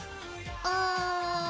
ああ。